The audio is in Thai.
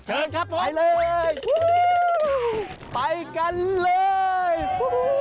เชิญครับผมไปเลยวู้ไปกันเลยวู้